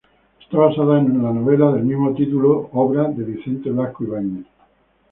Está basada en la novela del mismo título, obra de Vicente Blasco Ibáñez.